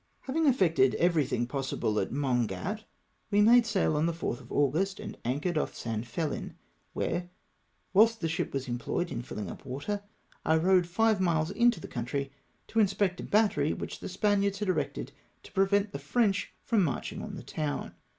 Having effected everjrtliing possible at Mongat, we made sail on the 4th of August, and anchored off San Felin, where, — Avhilst the ship was employed in fiUing up water — I rode five miles into the country to inspect a battery which the Spaniards had erected to prevent the French from marcliuio; on the town.